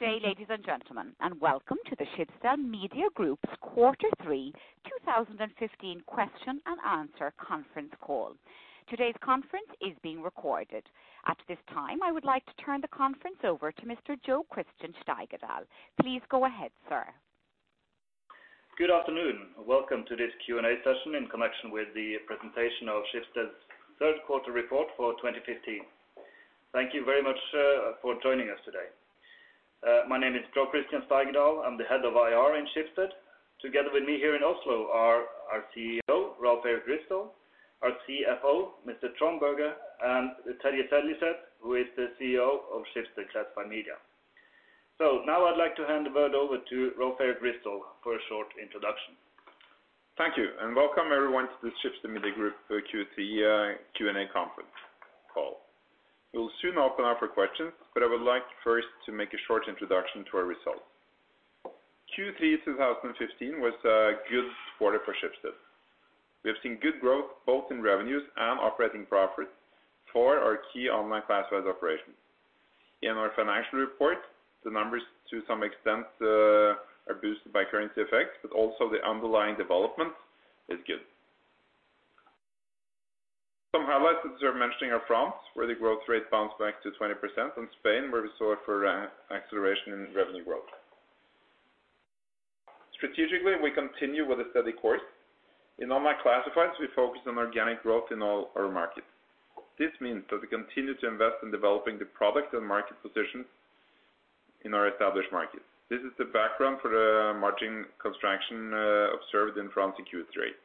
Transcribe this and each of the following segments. Good day, ladies and gentlemen, and welcome to the Schibsted Media Group's Q3 2015 question and answer conference call. Today's conference is being recorded. At this time, I would like to turn the conference over to Mr. Jo Christian Steigedal. Please go ahead, sir. Good afternoon. Welcome to this Q&A session in connection with the presentation of Schibsted's Q3 report for 2015. Thank you very much for joining us today. My name is Jo Christian Steigedal. I'm the Head of IR in Schibsted. Together with me here in Oslo are our CEO, Rolv Erik Ryssdal, our CFO, Mr. Trond Berger, and Terje Seljeseth, who is the CEO of Schibsted Classified Media. Now I'd like to hand the word over to Rolv Erik Ryssdal for a short introduction. Thank you, welcome everyone to the Schibsted Media Group Q3 Q&A conference call. We'll soon open up for questions, I would like first to make a short introduction to our results. Q3 2015 was a good quarter for Schibsted. We have seen good growth both in revenues and operating profit for our key online classified operations. In our financial report, the numbers to some extent are boosted by currency effects, also the underlying development is good. Some highlights that deserve mentioning are France, where the growth rate bounced back to 20%, Spain, where we saw it for an acceleration in revenue growth. Strategically, we continue with a steady course. In online classifieds, we focus on organic growth in all our markets. This means that we continue to invest in developing the product and market position in our established markets. This is the background for the margin construction, observed in France in Q3.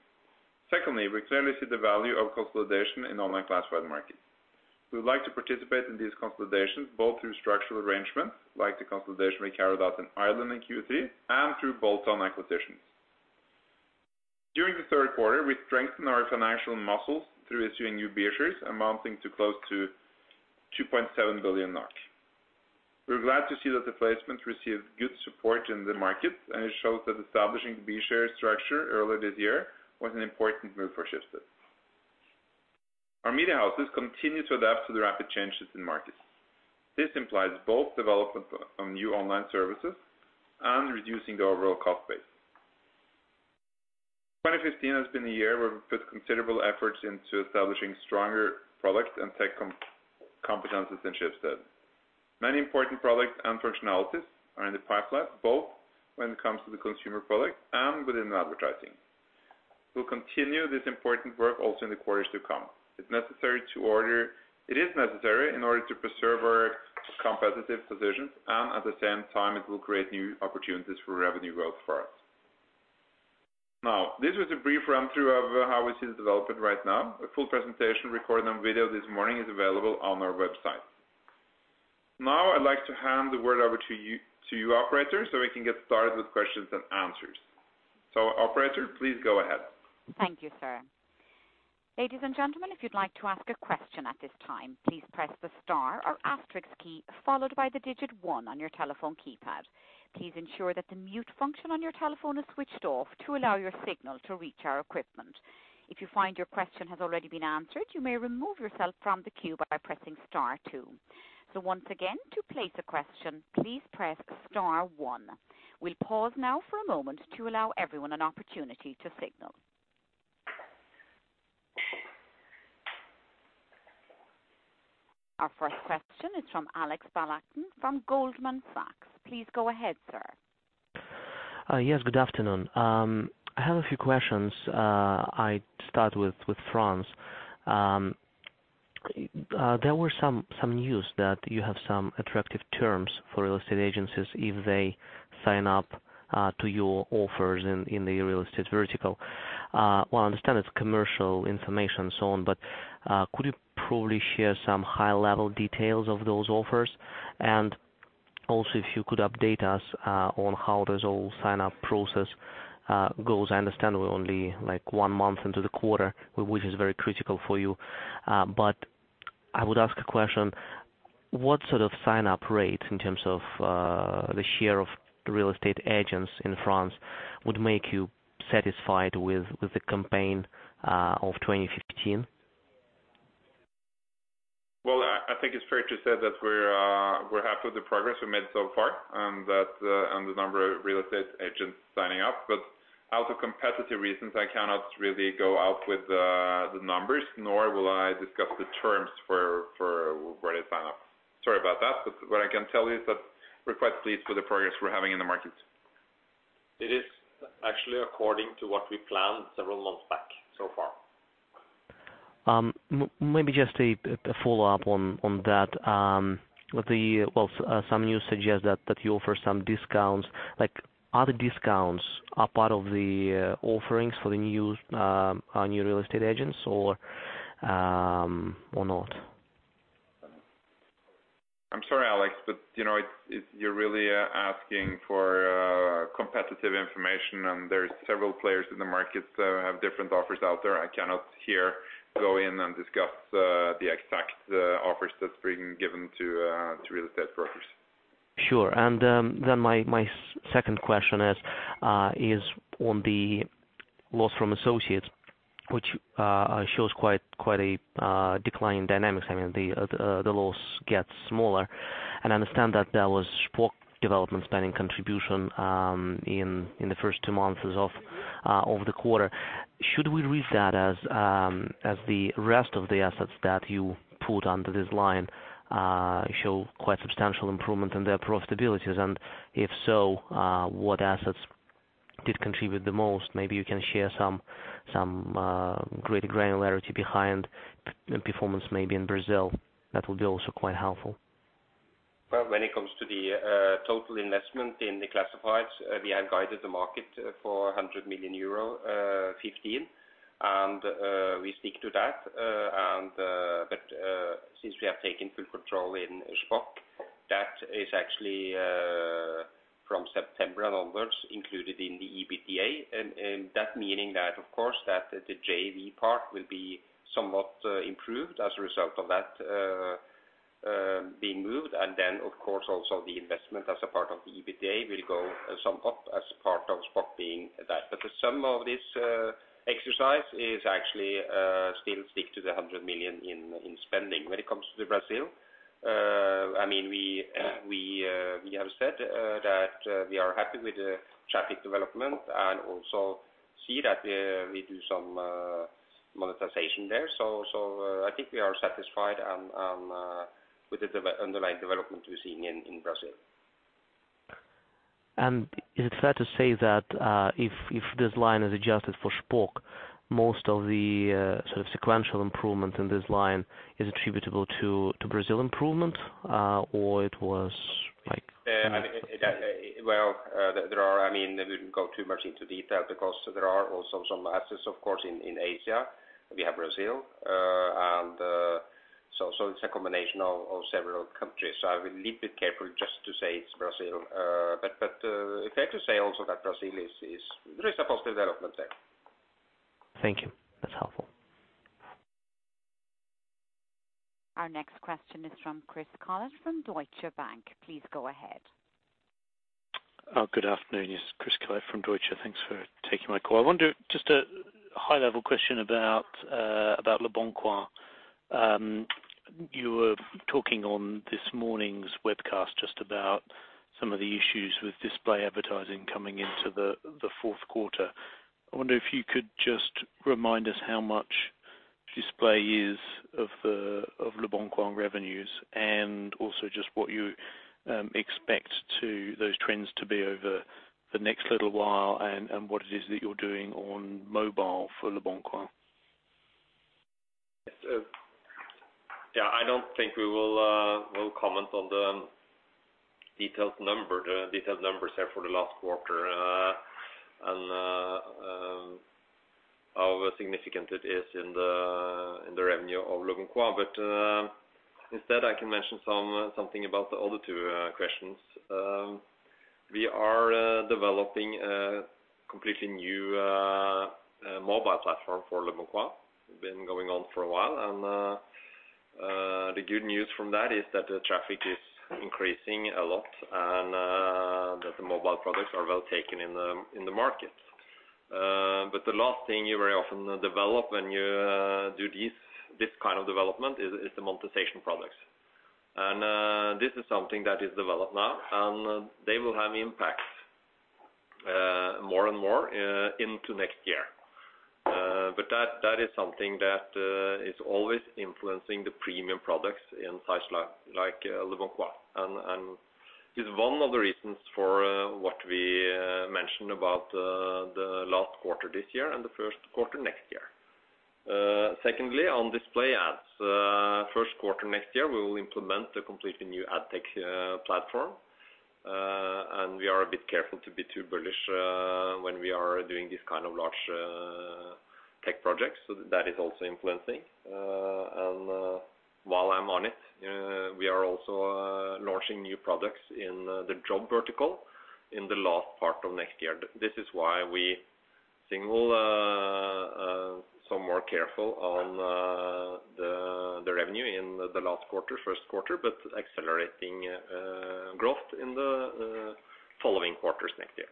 Secondly, we clearly see the value of consolidation in online classified markets. We would like to participate in these consolidations, both through structural arrangements like the consolidation we carried out in Ireland in Q3 and through bolt-on acquisitions. During the Q3, we strengthened our financial muscles through issuing new B-shares amounting to close to 2.7 billion. We're glad to see that the placement received good support in the market, and it shows that establishing the B-share structure earlier this year was an important move for Schibsted. Our media houses continue to adapt to the rapid changes in markets. This implies both development of new online services and reducing the overall cost base. 2015 has been a year where we've put considerable efforts into establishing stronger product and tech competencies in Schibsted. Many important products and functionalities are in the pipeline, both when it comes to the consumer product and within advertising. We'll continue this important work also in the quarters to come. It is necessary in order to preserve our competitive positions, and at the same time, it will create new opportunities for revenue growth for us. This was a brief run-through of how we see the development right now. A full presentation recorded on video this morning is available on our website. I'd like to hand the word over to you operator, so we can get started with questions and answers. Operator, please go ahead. Thank you, sir. Ladies and gentlemen, if you'd like to ask a question at this time, please press the star or asterisk key followed by the digit one on your telephone keypad. Please ensure that the mute function on your telephone is switched off to allow your signal to reach our equipment. If you find your question has already been answered, you may remove yourself from the queue by pressing star two. Once again, to place a question, please press star one. We'll pause now for a moment to allow everyone an opportunity to signal. Our first question is from Alexander Balakhnin from Goldman Sachs. Please go ahead, sir. Yes, good afternoon. I have a few questions. I start with France. There were some news that you have some attractive terms for real estate agencies if they sign up to your offers in the real estate vertical. While I understand it's commercial information and so on, but could you probably share some high-level details of those offers? Also, if you could update us on how this whole sign-up process goes. I understand we're only, like, one month into the quarter, which is very critical for you. I would ask a question, what sort of sign-up rates in terms of the share of real estate agents in France would make you satisfied with the campaign of 2015? I think it's fair to say that we're happy with the progress we made so far, that on the number of real estate agents signing up. Out of competitive reasons, I cannot really go out with the numbers, nor will I discuss the terms for where they sign up. Sorry about that. What I can tell you is that we're quite pleased with the progress we're having in the market. It is actually according to what we planned several months back so far. Maybe just a follow-up on that. With the, well, some news suggest that you offer some discounts. Like, are the discounts a part of the offerings for the new real estate agents or not? I'm sorry, Alex, but, you know, it's you're really asking for competitive information, and there's several players in the market have different offers out there. I cannot here go in and discuss the exact offers that's been given to real estate brokers. Sure. Then my second question is on the loss from associates, which shows quite a decline in dynamics. I mean, the loss gets smaller and understand that there was Shpock development spending contribution in the first two months as of the quarter. Should we read that as the rest of the assets that you put under this line show quite substantial improvement in their profitabilities? If so, what assets did contribute the most? Maybe you can share some greater granularity behind the performance maybe in Brazil. That will be also quite helpful. Well, when it comes to the total investment in the classifieds, we have guided the market for 100 million euro, 2015. We stick to that. But since we have taken full control in Shpock, that is actually from September onwards included in the EBITDA. That meaning that, of course, that the JV part will be somewhat improved as a result of that being moved. Then of course, also the investment as a part of the EBITDA will go some up as part of Shpock being that. The sum of this exercise is actually still stick to the 100 million in spending. When it comes to Brazil, I mean, we have said that we are happy with the traffic development and also see that we do some monetization there. I think we are satisfied and with the underlying development we're seeing in Brazil. Is it fair to say that, if this line is adjusted for Shpock, most of the sort of sequential improvement in this line is attributable to Brazil improvement? I mean, that, well, there are... I mean, we wouldn't go too much into detail because there are also some assets of course in Asia. We have Brazil, and, so it's a combination of several countries. I will be a bit careful just to say it's Brazil. Fair to say also that Brazil is... There is a positive development there. Thank you. That's helpful. Our next question is from Chris Collett from Deutsche Bank. Please go ahead. Good afternoon. It's Chris Collett from Deutsche. Thanks for taking my call. I wonder just a high level question about leboncoin. You were talking on this morning's webcast just about some of the issues with display advertising coming into the Q4. I wonder if you could just remind us how much display is of leboncoin revenues, and also just what you expect to those trends to be over the next little while and what it is that you are doing on mobile for leboncoin. Yes. Yeah, I don't think we will comment on the detailed numbers there for the last quarter. How significant it is in the revenue of leboncoin. Instead I can mention something about the other two questions. We are developing a completely new mobile platform for leboncoin. Been going on for a while. The good news from that is that the traffic is increasing a lot and that the mobile products are well taken in the market. The last thing you very often develop when you do this kind of development is the monetization products. This is something that is developed now, and they will have impact more and more into next year. That is something that is always influencing the premium products in sites like leboncoin. Is one of the reasons for what we mentioned about the last quarter this year and the Q1 next year. Secondly, on display ads. Q1 next year, we'll implement a completely new ad tech platform. We are a bit careful to be too bullish when we are doing these kind of large tech projects. That is also influencing. While I'm on it, we are also launching new products in the job vertical in the last part of next year. This is why we signal, some more careful on the revenue in the last quarter, Q1, but accelerating growth in the following quarters next year.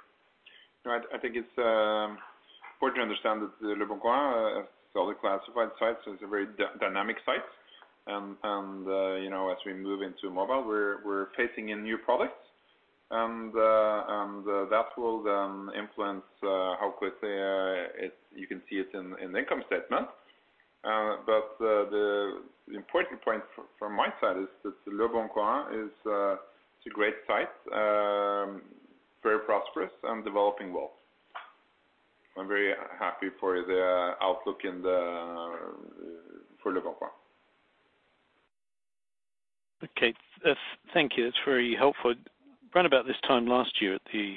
Right. I think it's important to understand that leboncoin, it's all the classified sites, so it's a very dynamic site. you know, as we move into mobile, we're facing in new products and that will influence how quickly you can see it in the income statement. the important point from my side is that leboncoin is a great site, very prosperous and developing well. I'm very happy for the outlook in the for leboncoin. Okay. Thank you. That's very helpful. Round about this time last year at the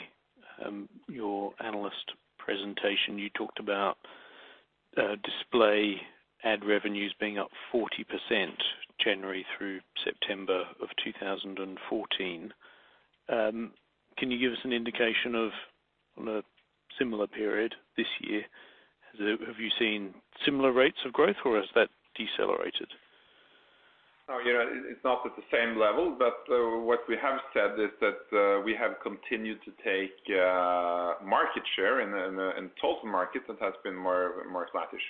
your analyst presentation, you talked about display ad revenues being up 40% January through September of 2014. Can you give us an indication of, on a similar period this year, have you seen similar rates of growth, or has that decelerated? Oh, yeah, it's not at the same level, but what we have said is that, we have continued to take market share in total markets that has been more sluggish.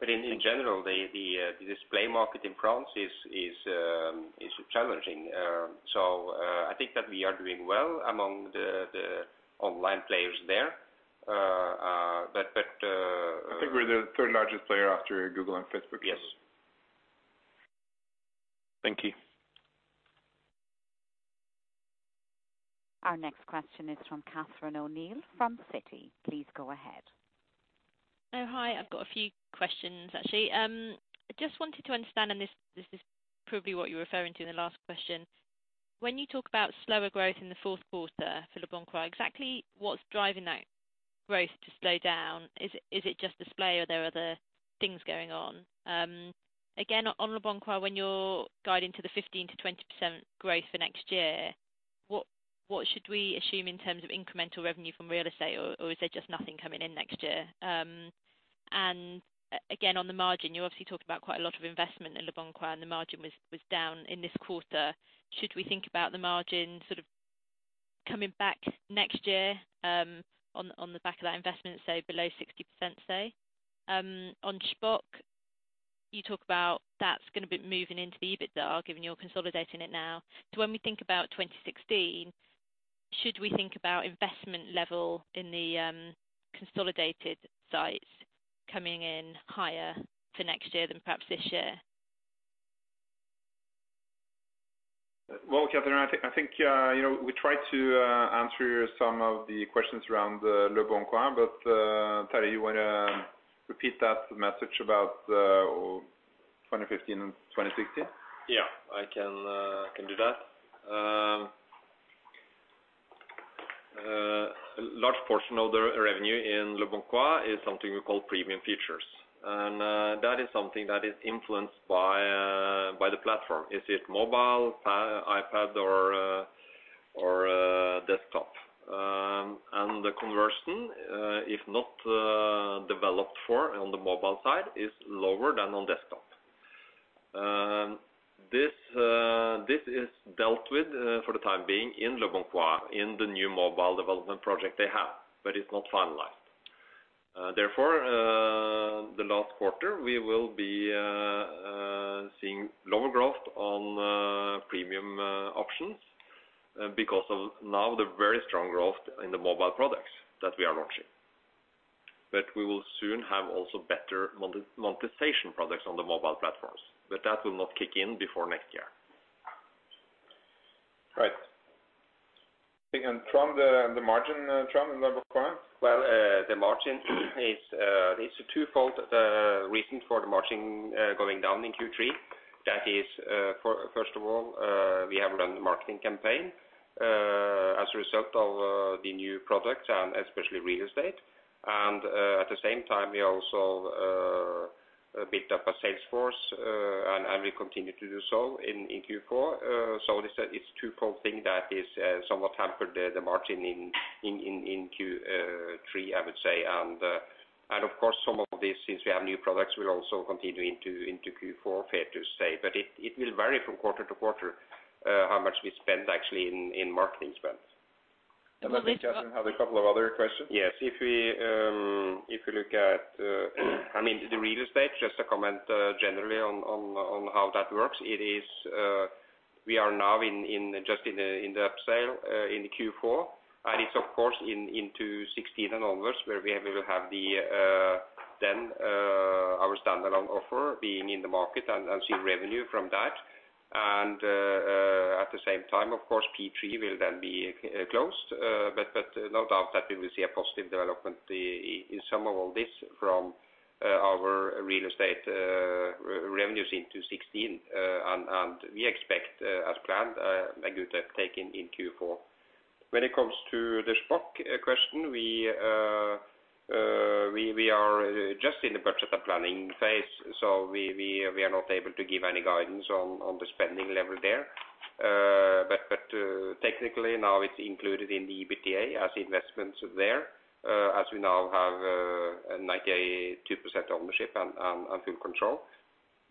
In general, the display market in France is challenging. I think that we are doing well among the online players there, but. I think we're the third-largest player after Google and Facebook. Yes. Thank you. Our next question is from Catherine O'Neill from Citi. Please go ahead. Oh, hi. I've got a few questions, actually. I just wanted to understand, and this is probably what you were referring to in the last question. When you talk about slower growth in the Q4 for leboncoin, exactly what's driving that growth to slow down? Is it just display or are there other things going on? Again, on leboncoin, when you're guiding to the 15%-20% growth for next year, what should we assume in terms of incremental revenue from real estate, or is there just nothing coming in next year? Again, on the margin, you obviously talked about quite a lot of investment in leboncoin, the margin was down in this quarter. Should we think about the margin sort of coming back next year, on the back of that investment, so below 60%, say? On Shpock, you talk about that's gonna be moving into the EBITDA, given you're consolidating it now. When we think about 2016, should we think about investment level in the consolidated sites coming in higher for next year than perhaps this year? Well, Catherine, I think, you know, we tried to answer some of the questions around leboncoin, but Terry, you wanna repeat that message about 2015 and 2016? Yeah. I can do that. A large portion of the revenue in leboncoin is something we call premium features. That is something that is influenced by the platform. Is it mobile, iPad or desktop? The conversion, if not developed for on the mobile side, is lower than on desktop. This is dealt with for the time being in leboncoin, in the new mobile development project they have, but it's not finalized. Therefore, the last quarter, we will be seeing lower growth on premium options because of now the very strong growth in the mobile products that we are launching. We will soon have also better monetization products on the mobile platforms, but that will not kick in before next year. Right. From the margin, Trond, in leboncoin? Well, the margin is, it's a twofold reason for the margin going down in Q3. That is, first of all, we have run the marketing campaign as a result of the new products and especially real estate. At the same time, we also built up a sales force, and we continue to do so in Q4. It is a, it's twofold thing that is, somewhat hampered the margin in Q3, I would say. Of course, some of this, since we have new products, will also continue into Q4, fair to say. It will vary from quarter to quarter, how much we spend actually in marketing spends. Catherine had a couple of other questions. Yes. If we, if you look at, I mean, the real estate, just to comment generally on how that works, it is, we are now in just in the upsale in Q4. It's of course, into 2016 and onwards, where we will have the then our standalone offer being in the market and see revenue from that. At the same time, of course, P3 will then be closed. But no doubt that we will see a positive development in sum of all this from our real estate revenues into 2016. We expect as planned a good uptake in Q4. When it comes to the Shpock question, we are just in the budget and planning phase, so we are not able to give any guidance on the spending level there. Technically now it's included in the EBITDA as investments there, as we now have a 92% ownership and full control.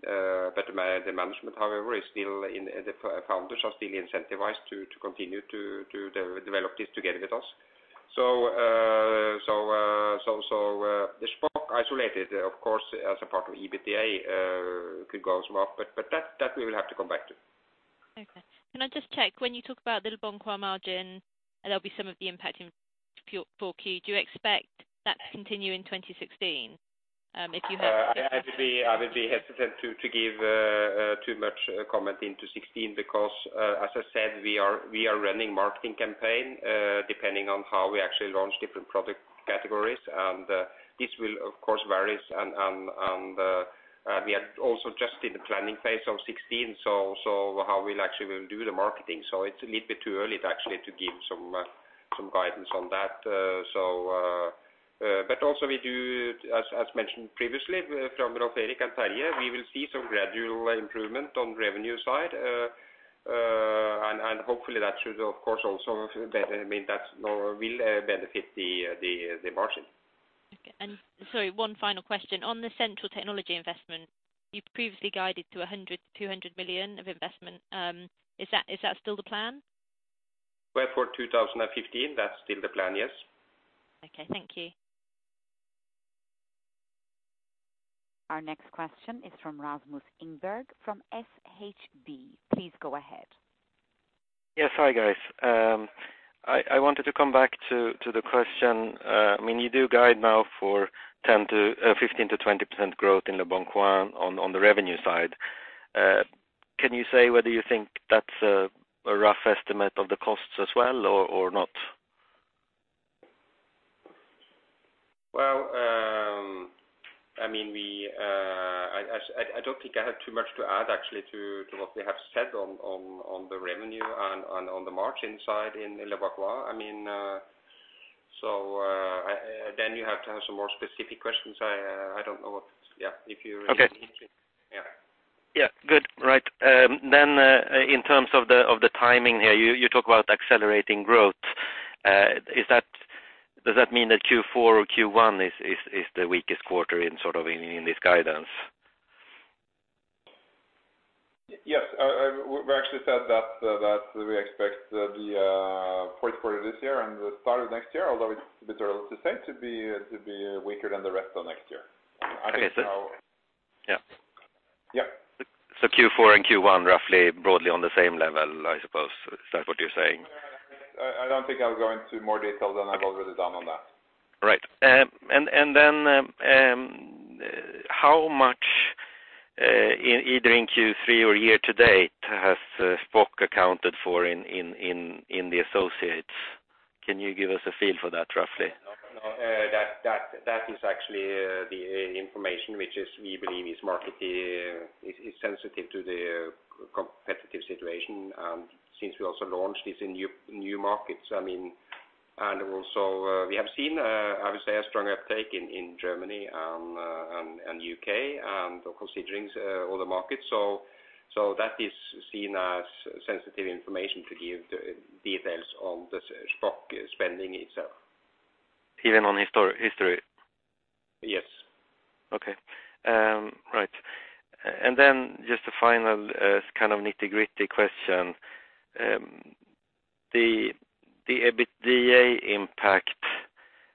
The management, however, is still in the founders are still incentivized to continue to develop this together with us. The Shpock isolated, of course, as a part of EBITDA, could go some up, but that we will have to come back to. Okay. Can I just check, when you talk about the leboncoin margin, there'll be some of the impact in Q4. Do you expect that to continue in 2016? I would be hesitant to give too much comment into 2016 because, as I said, we are running marketing campaign, depending on how we actually launch different product categories. This will of course varies and, we are also just in the planning phase of 2016, so how we'll actually will do the marketing. It's a little bit too early to actually to give some guidance on that. But also we do, as mentioned previously from Rolv Erik and Terje, we will see some gradual improvement on revenue side. Hopefully that should of course also benefit, I mean, that will benefit the margin. Okay. Sorry, one final question. On the central technology investment, you previously guided to 100 million-200 million of investment. Is that still the plan? Well, for 2015, that's still the plan, yes. Okay, thank you. Our next question is from Rasmus Engberg from SHB. Please go ahead. Yes. Hi, guys. I wanted to come back to the question, when you do guide now for 15%-20% growth in leboncoin on the revenue side. Can you say whether you think that's a rough estimate of the costs as well or not? Well, I mean, I don't think I have too much to add actually to what we have said on the revenue and on the margin side in Leboncoin. I mean, you have to have some more specific questions. I don't know what. Okay. Yeah. Yeah. Good. Right. In terms of the timing here, you talk about accelerating growth. Does that mean that Q4 or Q1 is the weakest quarter in this guidance? Yes. we actually said that we expect the Q4 this year and the start of next year, although it's a bit early to say, to be to be weaker than the rest of next year. I think now- Okay. Yeah. Yeah. Q4 and Q1, roughly broadly on the same level, I suppose. Is that what you're saying? I don't think I'll go into more detail than I've already done on that. Right. Then, how much, either in Q3 or year-to-date has Shpock accounted for in the associates? Can you give us a feel for that roughly? No. That is actually the information which is, we believe, is market, is sensitive to the competitive situation, since we also launched this in new markets. I mean. Also, we have seen, I would say a stronger uptake in Germany and U.K., and of course, all the markets. That is seen as sensitive information to give the details on the Shpock spending itself. Even on history? Yes. Okay. Right. Then just a final, kind of nitty-gritty question. The EBITDA impact,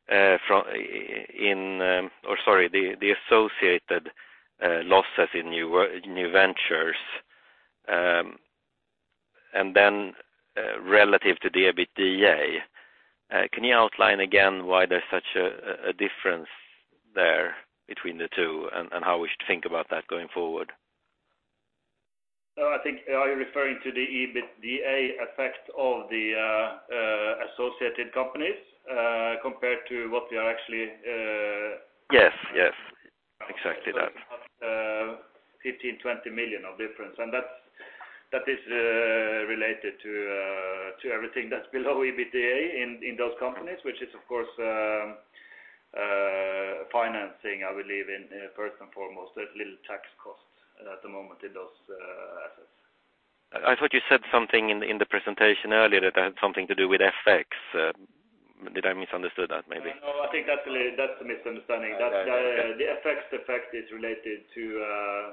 or sorry, the associated losses in new ventures, and then, relative to the EBITDA, can you outline again why there's such a difference there between the two and how we should think about that going forward? I think. Are you referring to the EBITDA effect of the associated companies compared to what we are actually? Yes. Yes. Exactly that. 15 million-20 million of difference. That is related to everything that's below EBITDA in those companies, which is of course, financing, I believe, first and foremost. There's little tax costs at the moment in those assets. I thought you said something in the presentation earlier that had something to do with FX. Did I misunderstood that maybe? No, no, I think that's a misunderstanding. That. Okay. The FX effect is related to,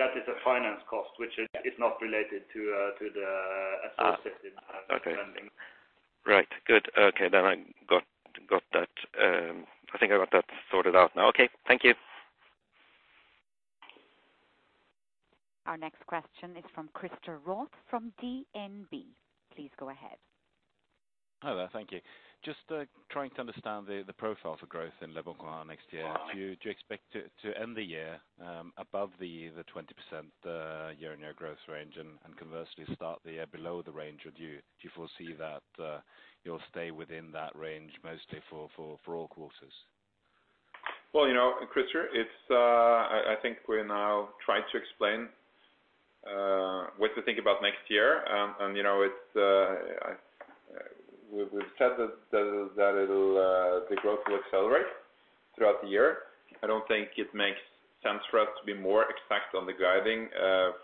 that is a finance cost, which is not related to. okay. Spending. Right. Good. Okay. I got that sorted out now. Okay. Thank you. Our next question is from Christer Roth from DNB. Please go ahead. Hello. Thank you. Just, trying to understand the profile for growth in leboncoin next year. Right. Do you expect to end the year above the 20% year-on-year growth range and conversely start the year below the range? Or do you foresee that you'll stay within that range mostly for all courses? Well, you know, Christer, I think we now tried to explain what to think about next year. You know, we've said that the growth will accelerate throughout the year. I don't think it makes sense for us to be more exact on the guiding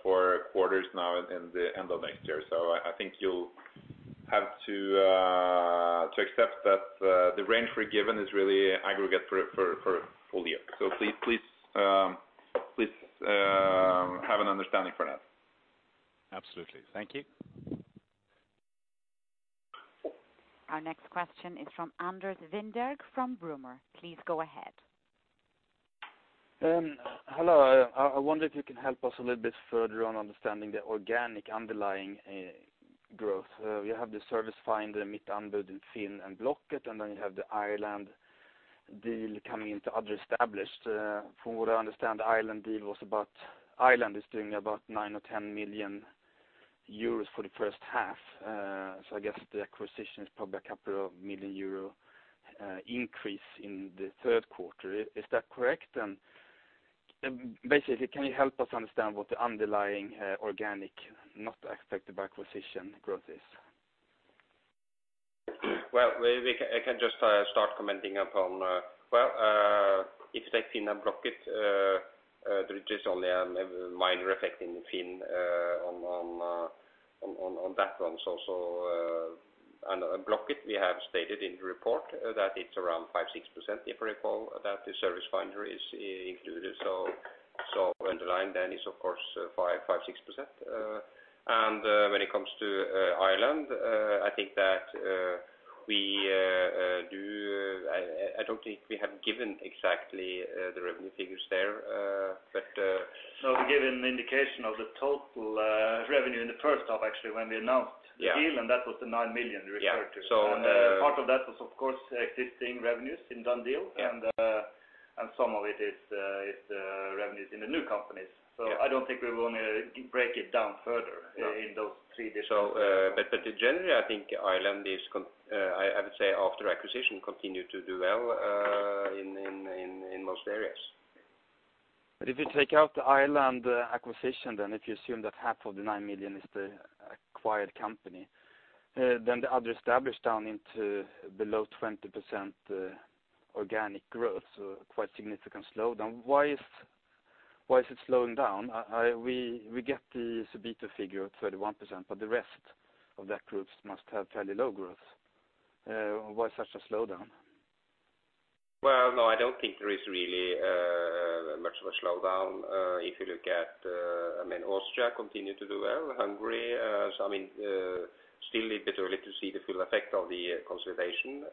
for quarters now in the end of next year. I think you'll have to accept that the range we're given is really aggregate for full year. Please have an understanding for that. Absolutely. Thank you. Our next question is from Anders Wennberg from Brummer. Please go ahead. Hello. I wonder if you can help us a little bit further on understanding the organic underlying growth. You have the Servicefinder, Mittanbud, FINN.no, and Blocket, then you have the DoneDeal coming into other established. From what I understand, DoneDeal is doing about 9 million-10 million euros for the first half. I guess the acquisition is probably a 2 million euro increase in the Q3. Is that correct? Basically, can you help us understand what the underlying organic, not affected by acquisition growth is? We can just start commenting upon if they in Blocket there is only a minor effect in FINN.no on that one. Blocket we have stated in the report that it's around 5%, 6%, if I recall, that the Servicefinder is included. So underlying then is of course 5%, 6%. When it comes to Ireland, I think that we do. I don't think we have given exactly the revenue figures there. No, we gave an indication of the total, revenue in the first half actually, when we. Yeah. -the deal, and that was the 9 million- Yeah. you referred to. So, uh- Part of that was of course existing revenues in DoneDeal. Yeah. Some of it is revenues in the new companies. Yeah. I don't think we're going to break it down further. No. in those three digits. but generally I think Ireland is I would say after acquisition continue to do well, in most areas. If you take out the Ireland acquisition then if you assume that half of the 9 million is the acquired company, then the other established down into below 20% organic growth, so quite significant slowdown. Why is it slowing down? We get the EBITDA figure of 31%, but the rest of that groups must have fairly low growth. Why such a slowdown? No, I don't think there is really much of a slowdown. If you look at, I mean, Austria continue to do well. Hungary. I mean, still a bit early to see the full effect of the consolidation.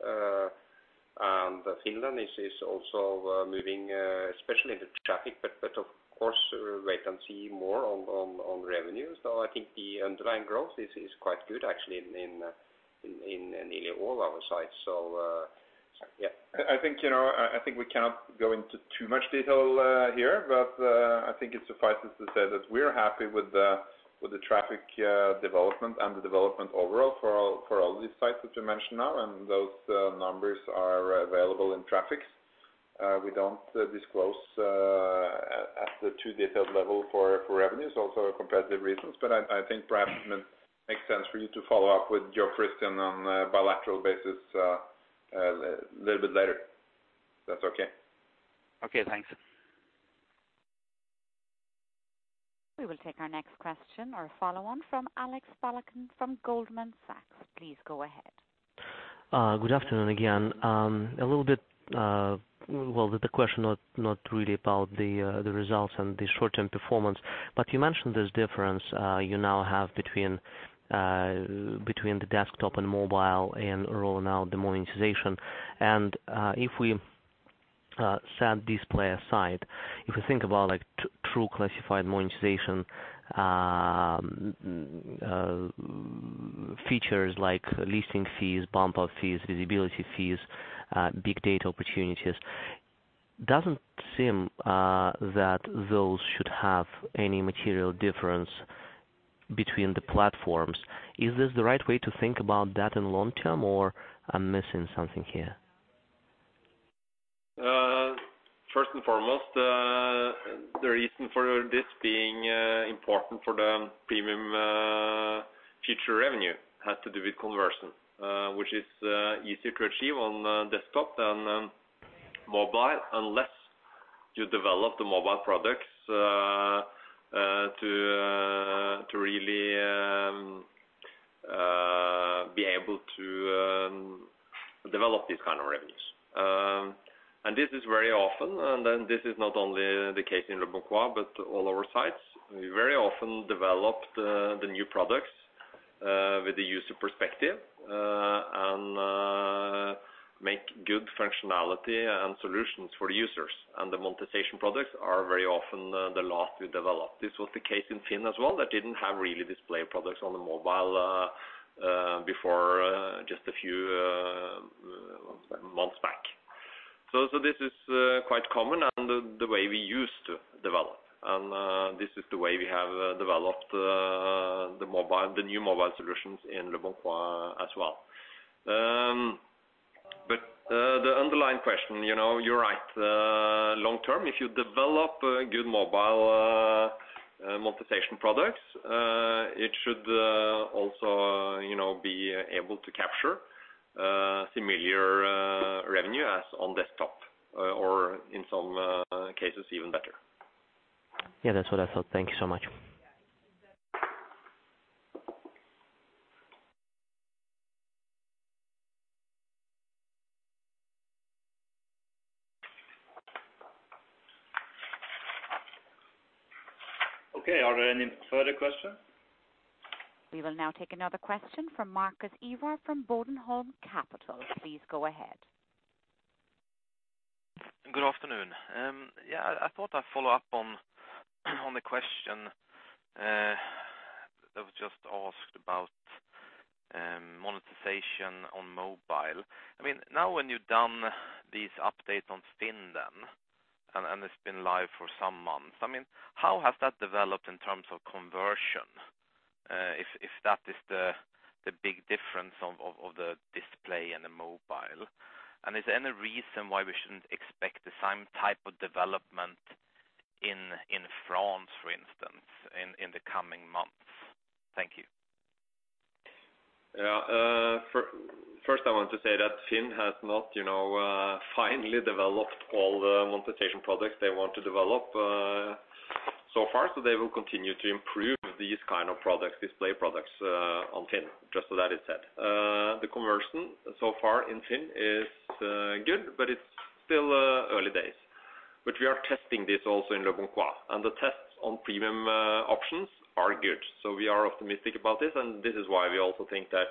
Finland is also moving, especially in the traffic, but of course, we can see more on revenues. I think the underlying growth is quite good actually in nearly all our sites. Yeah. I think, you know, I think we cannot go into too much detail here, but I think it suffices to say that we're happy with the, with the traffic development and the development overall for all these sites that you mentioned now. Those numbers are available in traffics. We don't disclose at the too detailed level for revenues, also competitive reasons. I think perhaps it makes sense for you to follow up with Jo Christian on a bilateral basis little bit later, if that's okay. Okay, thanks. We will take our next question or follow on from Alex Fak from Goldman Sachs. Please go ahead. Good afternoon again. A little bit. Well, the question not really about the results and the short-term performance, but you mentioned this difference you now have between the desktop and mobile and rolling out the monetization. If we set display aside, if we think about like true classified monetization, features like leasing fees, bump-up fees, visibility fees, big data opportunities, doesn't seem that those should have any material difference between the platforms. Is this the right way to think about that in long term or I'm missing something here? First and foremost, the reason for this being important for the premium future revenue has to do with conversion, which is easier to achieve on desktop than on mobile. Unless you develop the mobile products to really be able to develop these kind of revenues. This is very often, this is not only the case in leboncoin but all our sites. We very often develop the new products with the user perspective and make good functionality and solutions for users. The monetization products are very often the last we develop. This was the case in FINN.no as well, that didn't have really display products on the mobile before just a few, what's that? Months back. This is quite common and the way we used to develop. This is the way we have developed the mobile, the new mobile solutions in leboncoin as well. The underlying question, you know, you're right. Long term, if you develop good mobile monetization products, it should also, you know, be able to capture similar revenue as on desktop or in some cases even better. Yeah, that's what I thought. Thank you so much. Okay. Are there any further questions? We will now take another question from Marcus Ivar from Bodenholm Capital. Please go ahead. Good afternoon. Yeah, I thought I'd follow up on the question that was just asked about monetization on mobile. I mean, now when you've done these updates on FINN.no, and it's been live for some months, I mean, how has that developed in terms of conversion? If that is the big difference of the display and the mobile. Is there any reason why we shouldn't expect the same type of development in France, for instance, in the coming months? Thank you. Yeah. First, I want to say that FINN.no has not, you know, finally developed all the monetization products they want to develop so far, so they will continue to improve these kind of products, display products on FINN.no, just so that is said. The conversion so far in FINN.no is good, but it's still early days. We are testing this also in leboncoin. The tests on premium options are good. We are optimistic about this, and this is why we also think that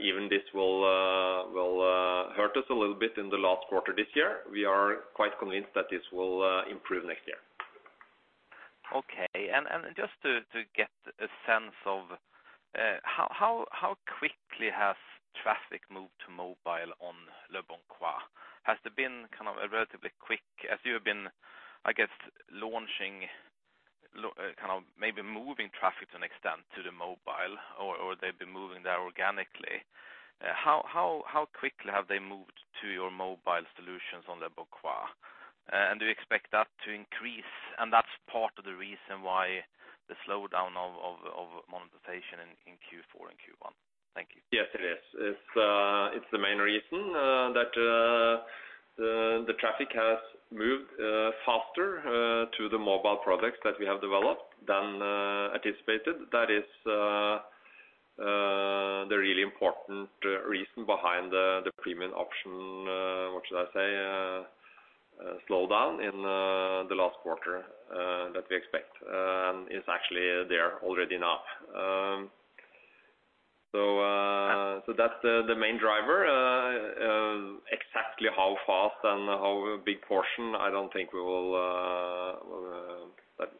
even this will hurt us a little bit in the last quarter this year. We are quite convinced that this will improve next year. Okay. Just to get a sense of how quickly has traffic moved to mobile on leboncoin? Has there been a relatively quick— as you have been, I guess, launching, maybe moving traffic to an extent to the mobile, or they have been moving there organically, how quickly have they moved to your mobile solutions on leboncoin? Do you expect that to increase, and that is part of the reason why the slowdown of monetization in Q4 and Q1? Thank you. Yes, it is. It's the main reason that the traffic has moved faster to the mobile products that we have developed than anticipated. That is the really important reason behind the premium option, what should I say, slowdown in the last quarter that we expect. It's actually there already now. So that's the main driver. Exactly how fast and how big portion, I don't think we will. That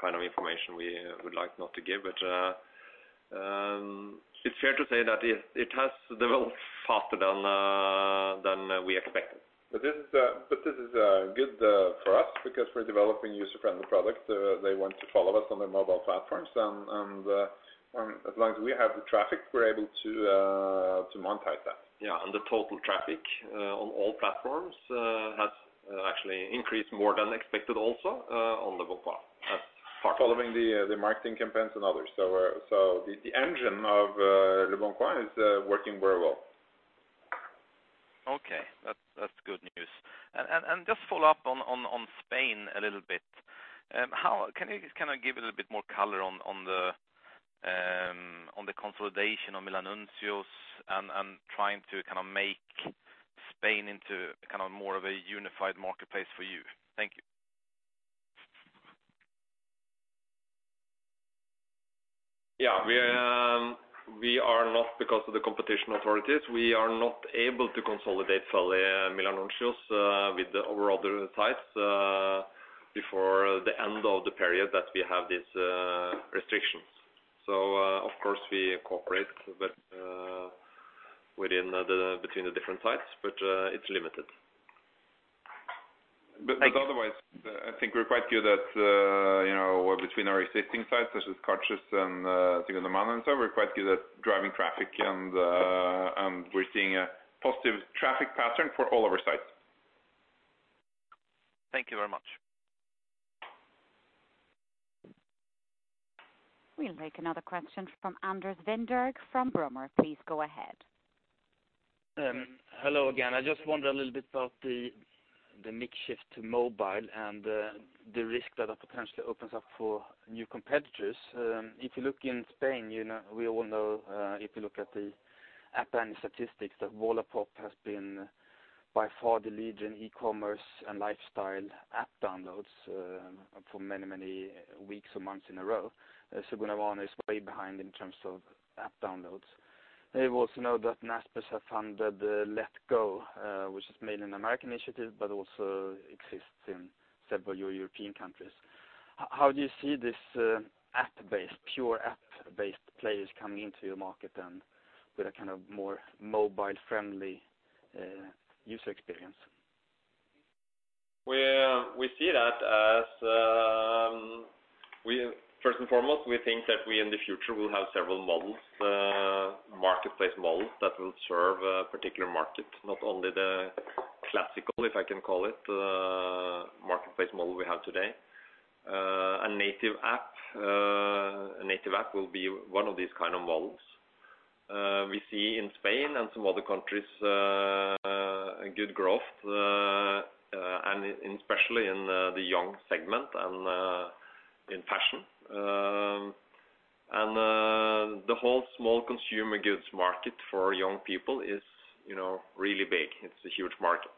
kind of information we would like not to give. It's fair to say that it has developed faster than we expected. This is good for us because we're developing user-friendly products. They want to follow us on their mobile platforms. As long as we have the traffic, we're able to monetize that. Yeah. The total traffic on all platforms has actually increased more than expected also on leboncoin. That's part of it. Following the marketing campaigns and others. The engine of leboncoin is working very well. Okay. That's good news. Just follow up on Spain a little bit. Can you just kinda give a little bit more color on the consolidation of Milanuncios and trying to make Spain into more of a unified marketplace for you? Thank you. Yeah. Because of the competition authorities, we are not able to consolidate fully Milanuncios with our other sites before the end of the period that we have these restrictions. Of course we cooperate, but between the different sites, but it's limited. Otherwise, I think we're quite good at, you know, between our existing sites, such as Carjuice and Segunda Mano and so, we're quite good at driving traffic and we're seeing a positive traffic pattern for all of our sites. Thank you very much. We'll take another question from Anders Wennberg from Brummer. Please go ahead. Hello again. I just wonder a little bit about the mix shift to mobile and the risk that it potentially opens up for new competitors. If you look in Spain, you know, we all know, if you look at the app and statistics that Wallapop has been by far the lead in e-commerce and lifestyle app downloads for many, many weeks or months in a row. Segunda Mano is way behind in terms of app downloads. We also know that Naspers have funded Letgo, which is made an American initiative, but also exists in several European countries. How do you see this app-based, pure app-based players coming into your market and with a kind of more mobile-friendly user experience? We see that as. First and foremost, we think that we in the future will have several models, marketplace models that will serve a particular market, not only the classical, if I can call it, marketplace model we have today. A native app will be one of these kind of models. We see in Spain and some other countries, a good growth, and especially in the young segment and in fashion. And, the whole small consumer goods market for young people is, you know, really big. It's a huge market.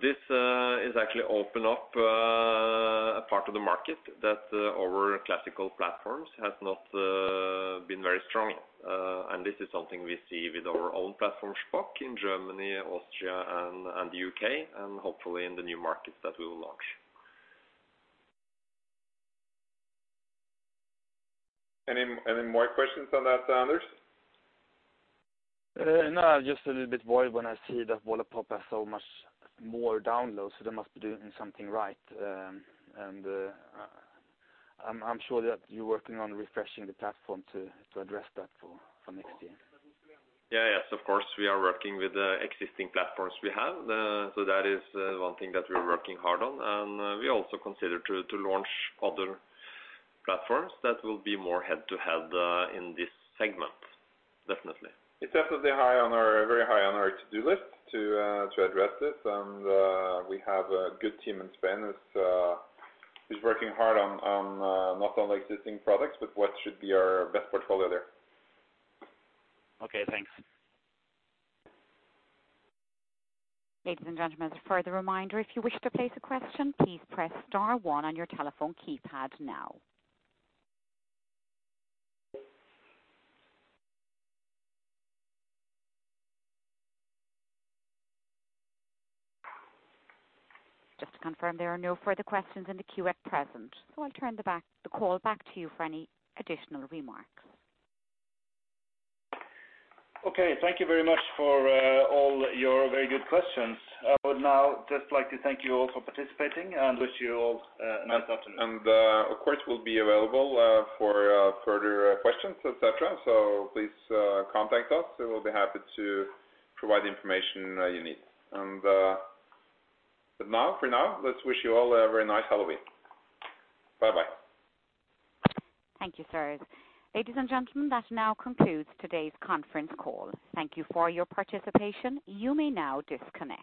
This has actually opened up a part of the market that our classical platforms has not been very strong in. This is something we see with our own platform, Shpock, in Germany, Austria, and the U.K., and hopefully in the new markets that we will launch. Any more questions on that, Anders? No, just a little bit worried when I see that Wallapop has so much more downloads, so they must be doing something right. I'm sure that you're working on refreshing the platform to address that for next year. Yeah. Yes, of course, we are working with the existing platforms we have. That is one thing that we are working hard on. We also consider to launch other platforms that will be more head-to-head in this segment. Definitely. It's definitely high on our, very high on our to-do list to address this. We have a good team in Spain who's working hard on not only existing products, but what should be our best portfolio there. Okay, thanks. Ladies and gentlemen, as a further reminder, if you wish to place a question, please press star one on your telephone keypad now. Just to confirm, there are no further questions in the queue at present. I'll turn the call back to you for any additional remarks. Thank you very much for all your very good questions. I would now just like to thank you all for participating and wish you all a nice afternoon. Of course, we'll be available for further questions, et cetera. Please, contact us, and we'll be happy to provide the information you need. Now, for now, let's wish you all a very nice Halloween. Bye-bye. Thank you, sirs. Ladies and gentlemen, that now concludes today's conference call. Thank you for your participation. You may now disconnect.